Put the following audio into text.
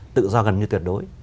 tự do gần như tuyệt đối